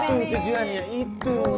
itu tujuannya itu